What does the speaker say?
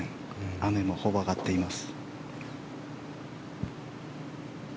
雨もほぼ上がっています。